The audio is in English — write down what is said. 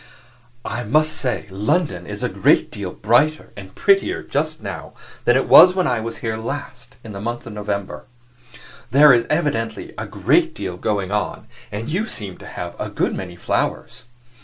"I must say London is a great deal brighter and prettier just now than it was when I was here last in the month of November. There is evidently a great deal going on, and you seem to have a good many flowers.